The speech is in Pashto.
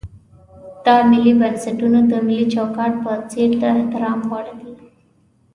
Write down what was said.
دا ملي بنسټونه د ملي چوکاټ په څېر د احترام وړ دي.